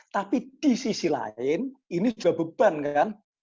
tapi di sisi lain ini juga beban kan